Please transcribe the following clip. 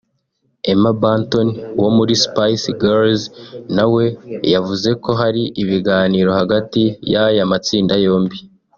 Emma Bunton wo muri Spice Girls na we yavuze ko hari ibiganiro hagati y’aya matsinda yombi